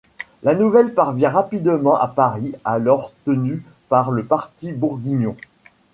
La nouvelle parvient rapidement à Paris, alors tenue par le parti bourguignon.